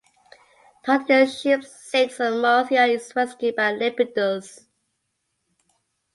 Totila’s ship sinks and Marzia is rescued by Lepidus.